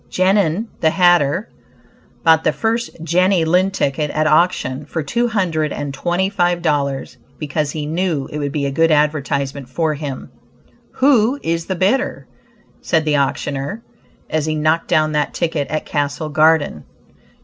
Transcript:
Genin, the hatter, bought the first Jenny Lind ticket at auction for two hundred and twenty five dollars, because he knew it would be a good advertisement for him. "Who is the bidder?" said the auctioneer, as he knocked down that ticket at Castle Garden.